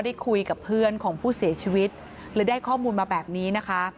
ได้คุยกับเพื่อนของผู้เสียชีวิตเลยได้ข้อมูลมาแบบนี้นะคะ